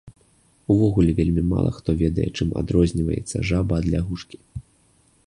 Увогуле вельмі мала хто ведае, чым адрозніваецца жаба ад лягушкі.